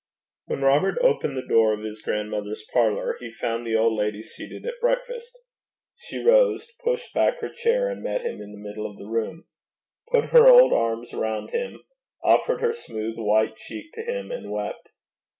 When Robert opened the door of his grandmother's parlour, he found the old lady seated at breakfast. She rose, pushed back her chair, and met him in the middle of the room; put her old arms round him, offered her smooth white cheek to him, and wept.